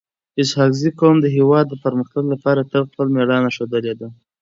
اسحق زي قوم د هیواد د پرمختګ لپاره تل خپل میړانه ښودلي ده.